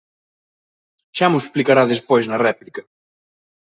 Xa mo explicará despois na réplica.